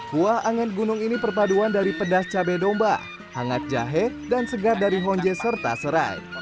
kuah angan gunung ini perpaduan dari pedas cabai domba hangat jahe dan segar dari honje serta serai